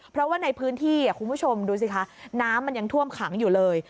เพราะว่าในพื้นที่คุณผู้ชมดูสิคะน้ำมันยังท่วมขังอยู่เลย